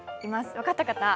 分かった方？